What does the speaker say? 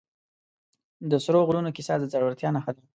د سرو غرونو کیسه د زړورتیا نښه ده.